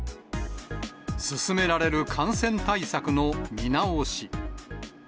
進められる感染対策の見直し。